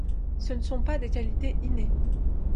Ce ne sont pas des qualités innées.